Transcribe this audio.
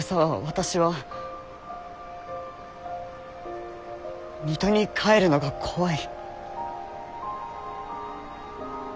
私は水戸に帰るのが怖い。